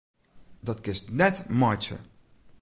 Dat kinst net meitsje!